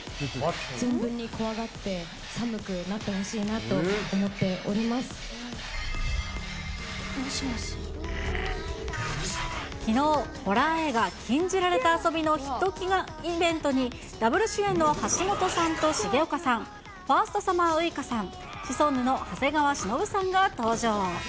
存分に怖がって寒くなってほきのう、ホラー映画、禁じられた遊びのヒット祈願イベントに、ダブル主演の橋本さんと重岡さん、ファーストサマーウイカさん、シソンヌの長谷川忍さんが登場。